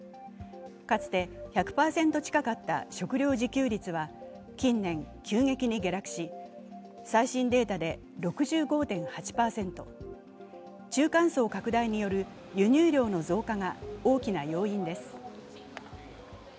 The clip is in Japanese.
かつて１００％近かった食料自給率は近年急激に下落し、最新データで６５．８％、中間層拡大による輸入量の増加が大きな要因です。